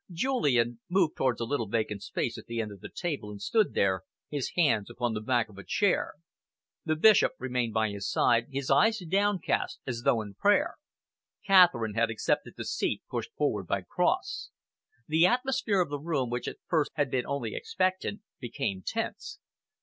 Julian moved towards a little vacant space at the end of the table and stood there, his hands upon the back of a chair. The Bishop remained by his side, his eyes downcast as though in prayer. Catherine had accepted the seat pushed forward by Cross. The atmosphere of the room, which at first had been only expectant, became tense.